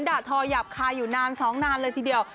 ด่าทอหยาบคายอยู่นานสองนานเลยทีเดียว